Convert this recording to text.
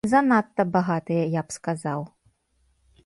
Занадта багатыя, я б сказаў.